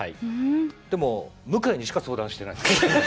でも、向井にしか相談してないです。